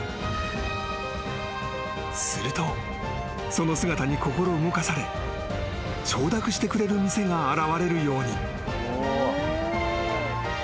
［するとその姿に心動かされ承諾してくれる店が現れるように］